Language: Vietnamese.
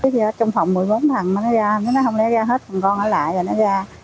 trong phòng một mươi bốn thằng nó ra nó không lẽ ra hết còn con ở lại rồi nó ra